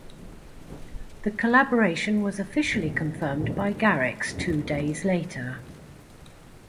The collaboration was officially confirmed by Garrix two days later.